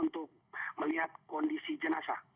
untuk melihat kondisi jenasa